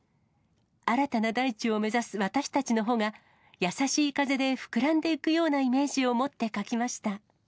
新たな大地を目指す私たちの帆が、優しい風で膨らんでいくようなイメージを持って書きました。